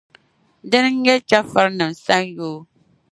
Dina n-nyɛ chεfurinim’ sanyoo.